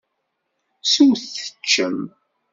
Swet teččem.